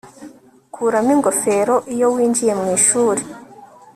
Kuramo ingofero iyo winjiye mwishuri